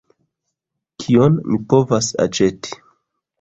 Kion mi povos aĉeti?